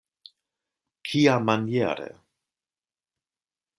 Kiamaniere?